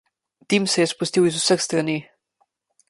Dim se je spustil z vseh strani.